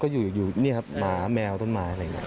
ก็อยู่นี่ครับหมาแมวต้นไม้อะไรอย่างนี้